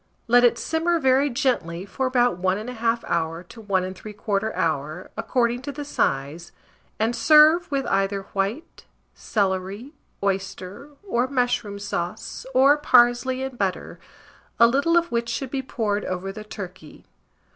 Let it simmer very gently for about 1 1/2 hour to 1 3/4 hour, according to the size, and serve with either white, celery, oyster, or mushroom sauce, or parsley and butter, a little of which should be poured over the turkey.